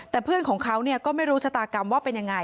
แต่เพื่อนของเขาก็ไม่รู้ชะตากรรมว่าเป็นยังไง